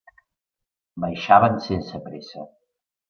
Baixaven sense pressa.